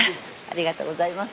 ありがとうございます。